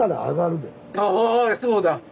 ああそうだ！